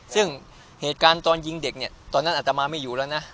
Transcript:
ซึ่งเหตุการณ์ตอนยิงเด็กเนี่ยตอนนั้นอัตมาไม่อยู่แล้วนะ